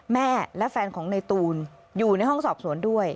แม่และแฟนของในตูนอยู่ในห้องสอบสวนด้วย